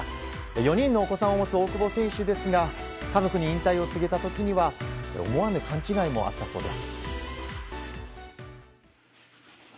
４人のお子さんを持つ大久保選手ですが家族に引退を告げた時には思わぬ勘違いもあったそうです。